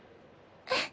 うん。